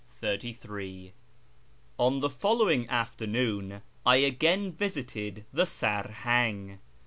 A baby Babi ! On the following afternoon I again visited the Sarhang.